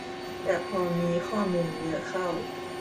แต่พอมีข้อมูลเยอะเข้า